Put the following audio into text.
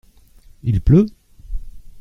Il pleut ?